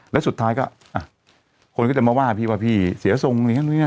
แล้วสุดท้ายก็คนก็จะมาว่าพี่ว่าพี่เสียทรงอย่างนั้น